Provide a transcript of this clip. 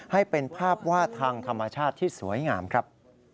ให้เป็นภาพวาดทางธรรมชาติที่สวยงามครับ